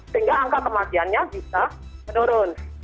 sehingga angka kematiannya bisa menurun